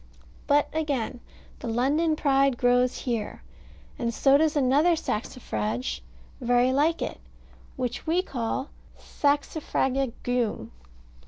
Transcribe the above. But again the London Pride grows here, and so does another saxifrage very like it, which we call Saxifraga Geum.